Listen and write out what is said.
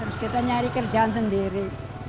saya nyari kerjaan sendiri